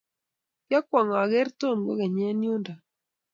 kyakwong ageer tom kogeeny eng yundo